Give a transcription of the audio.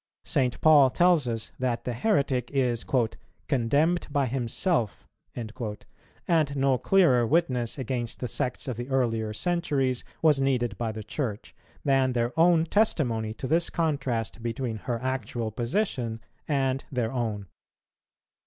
St. Paul tells us that the heretic is "condemned by himself;" and no clearer witness against the sects of the earlier centuries was needed by the Church, than their own testimony to this contrast between her actual position and their own.